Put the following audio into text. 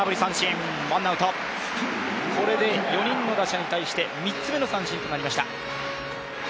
これで４人の打者に対して３つ目の三振となりました。